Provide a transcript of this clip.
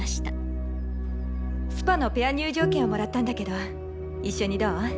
スパのペア入場券をもらったんだけど一緒にどう？